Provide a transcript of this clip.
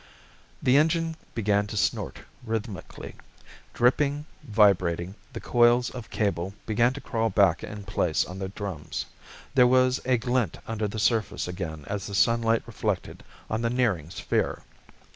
The engine began to snort rhythmically. Dripping, vibrating, the coils of cable began to crawl back in place on the drums. There was a glint under the surface again as the sunlight reflected on the nearing sphere.